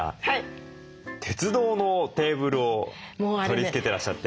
鉄道のテーブルを取り付けてらっしゃって。